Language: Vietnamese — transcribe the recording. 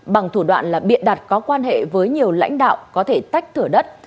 bằng thủ đoạn là biện đặt có quan hệ với nhiều lãnh đạo có thể tách thửa đất